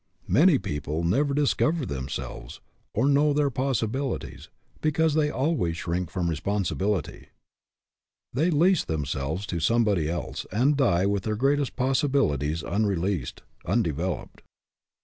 Many people never discover themselves or know their possibilities because they always shrink from responsibility. They lease them 102 RESPONSIBILITY DEVELOPS selves to somebody else and die with their greatest possibilities unreleased, undeveloped.